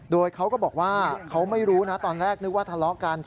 โดยเขาก็บอกว่าเขาไม่รู้นะตอนแรกนึกว่าทะเลาะกัน